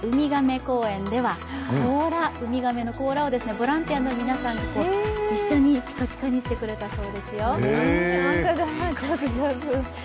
公園では海亀の甲羅をボランティアの皆さんが一緒にピカピカにしてくれたそうですよ。